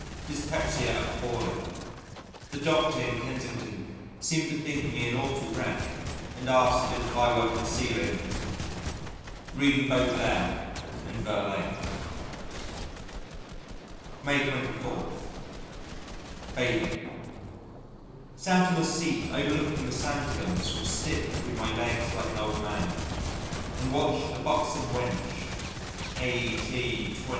Dyspepsia appalling. The Doctor in Kensington seemed to think me an awful wreck and asked if I were concealing Reading Baudelaire and Verlaine. May 24. Bathing Sat on a seat overlooking the sand hills with stick between my legs like an old man, and watched a buxom wench aet.